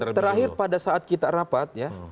terakhir pada saat kita rapat ya